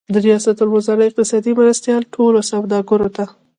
د ریاست الوزار اقتصادي مرستیال ټولو سوداګرو ته